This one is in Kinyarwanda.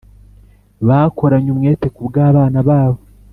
bakoranye umwete kubwabana babo.